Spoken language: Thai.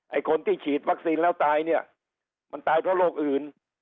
ไอ้คนที่ฉีดวัคซีนแล้วตายเนี่ยมันตายเพราะโรคอื่น